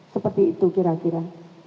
seperti itu kira kira